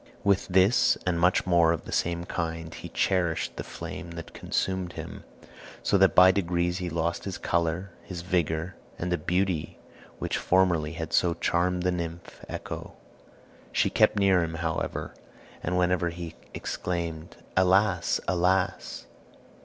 With this, and much more of the same kind, he cherished the flame that consumed him, so that by degrees he lost his color, his vigor, and the beauty which formerly had so charmed the nymph Echo. She kept near him, however, and when he exclaimed, "Alas! alas!"